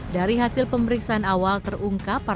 dari hasil pemeriksaan awal terungkap